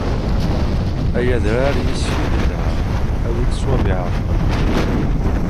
Ay adrar yis-k i nedheγ, awi-d ṣwab iεeṛqen.